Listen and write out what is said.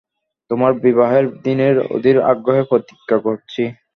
তোমার বিবাহের দিনের অধীর আগ্রহে প্রতীক্ষা করছি।